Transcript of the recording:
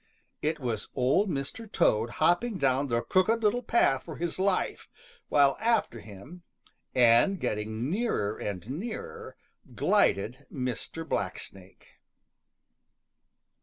It was Old Mr. Toad hopping down the Crooked Little Path for his life, while after him, and getting nearer and nearer, glided Mr. Blacksnake.